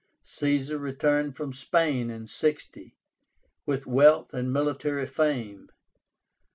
Caesar returned from Spain in 60, with wealth and military fame.